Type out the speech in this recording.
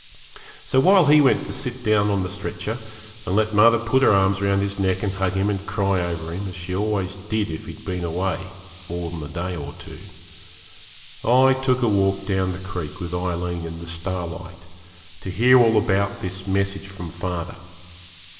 So while he went to sit down on the stretcher, and let mother put her arms round his neck and hug him and cry over him, as she always did if he'd been away more than a day or two, I took a walk down the creek with Aileen in the starlight, to hear all about this message from father.